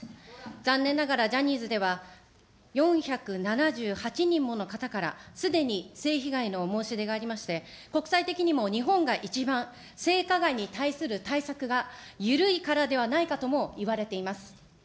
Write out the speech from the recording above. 残念ながら、ジャニーズでは４７８人もの方からすでに性被害の申し出がありまして、国際的にも日本が一番、性加害に対する対策が緩いからではないかともいわれています。